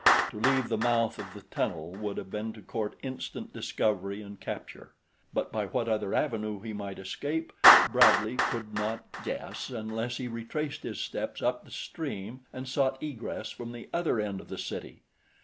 To leave the mouth of the tunnel would have been to court instant discovery and capture; but by what other avenue he might escape, Bradley could not guess, unless he retraced his steps up the stream and sought egress from the other end of the city.